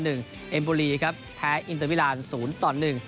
เอ็มโบรีแพ้อินเตอร์วิลาน๐๑